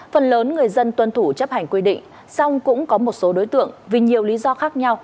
phần lớn người dân tuân thủ chấp hành quy định xong cũng có một số đối tượng vì nhiều lý do khác nhau